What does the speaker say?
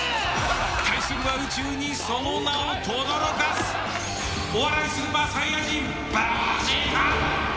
対するは宇宙にその名をとどろかすお笑いスーパーサイヤ人ベジータ。